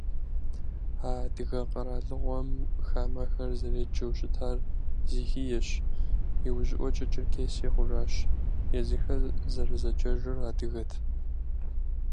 А адыгэ къэралыгъуэм хамэхэр зэреджэу щытар Зихиещ, иужьыӏуэкӏэ Черкесие хъужащ, езыхэр зэрызэджэжыр адыгэт.